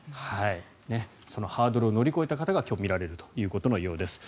そのハードルを乗り越えた方が今日見られるということです。